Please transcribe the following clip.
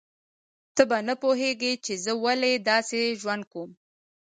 ته به نه پوهیږې چې زه ولې داسې ژوند کوم